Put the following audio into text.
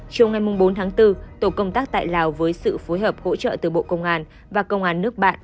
chiều ngày bốn tháng bốn tổ công tác tại lào với sự phối hợp hỗ trợ từ bộ công an và công an nước bạn